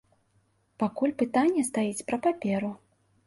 Пакуль пытанне стаіць пра паперу.